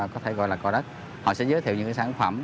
có thể gọi là co đất họ sẽ giới thiệu những sản phẩm